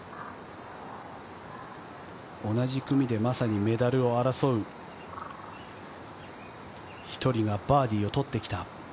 同じ組でまさにメダルを争う１人がバーディーを取ってきた。